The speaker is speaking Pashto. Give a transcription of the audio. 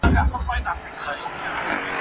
ایا د غاښونو په پاکولو کي د تار کارول ګټور دي؟